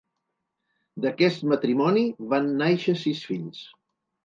D'aquest matrimoni van nàixer sis fills.